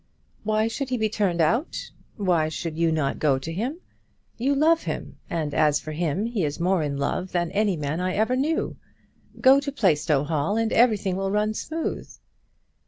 "Why should he be turned out? Why should you not go to him? You love him; and as for him, he is more in love than any man I ever knew. Go to Plaistow Hall, and everything will run smooth."